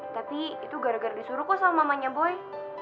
tapi itu gara gara disuruh kok sama mamanya boy